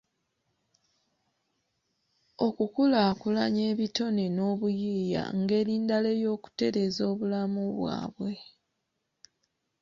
Okukulaakulanya ebitone n'obuyiiya ngeri ndala ey'okutereeza obulamu bwabwe.